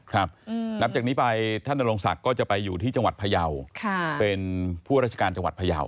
นับจากนี้ไปท่านนโรงศักดิ์ก็จะไปอยู่ที่จังหวัดพยาวเป็นผู้ราชการจังหวัดพยาว